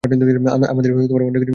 আমাদের অনেক কিছু ঠিক করতে হবে।